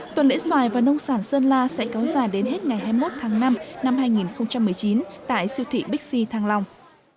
tuần lễ xoài và nông sản sơn la sẽ kéo dài đến hết ngày hai mươi một tháng năm năm hai nghìn một mươi chín tại siêu thị bixi thăng long